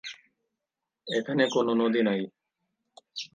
এখানে কোন নদী নাই।